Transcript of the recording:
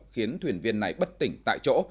khiến thuyền viên này bất tỉnh tại chỗ